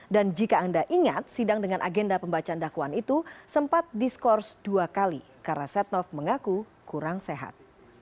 dan jika anda ingat sidang dengan agenda pembacaan dakuan itu sempat diskors dua kali karena setnov mengaku kurang sehat